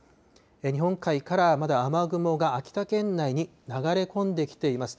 日本海からまだ雨雲が秋田県内に流れ込んできています。